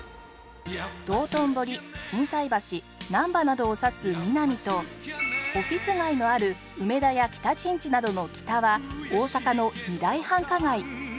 道頓堀心斎橋難波などを指すミナミとオフィス街のある梅田や北新地などのキタは大阪の二大繁華街